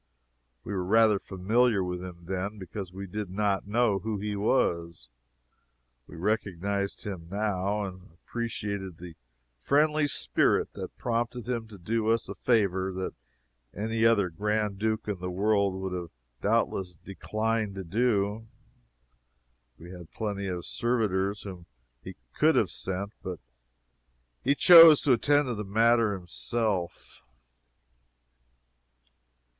We were rather familiar with him then, because we did not know who he was. We recognized him now, and appreciated the friendly spirit that prompted him to do us a favor that any other Grand Duke in the world would have doubtless declined to do. He had plenty of servitors whom he could have sent, but he chose to attend to the matter himself.